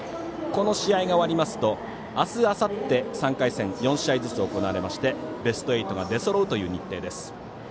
この試合が終わりますと明日、あさって３回戦、４試合ずつ行われましてベスト８が出そろうという日程です。